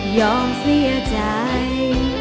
ยอมเสียใจ